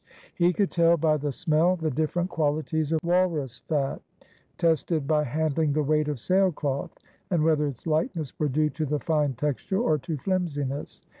He could tell by the smell the different quahties of walrus fat; tested by handhng the weight of sailcloth, and whether its Hghtness were due to the fine texture, or to flimsiness.